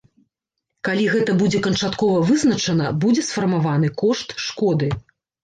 Калі гэта будзе канчаткова вызначана, будзе сфармаваны кошт шкоды.